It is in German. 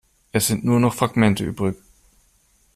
Es sind nur noch Fragmente übrig.